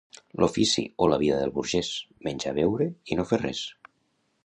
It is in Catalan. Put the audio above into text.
L'ofici o la vida del burgès: menjar, beure i no fer res.